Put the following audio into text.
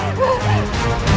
aku tidak tahu